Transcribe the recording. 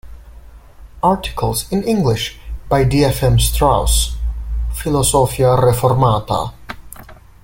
Articles in English by D F M Strauss, "Philosophia Reformata"